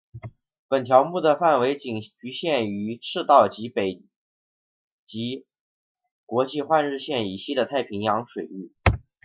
本条目的范围仅局限于赤道以北及国际换日线以西的太平洋水域。